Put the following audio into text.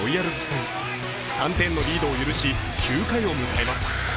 ３点のリードを許し、９回を迎えます。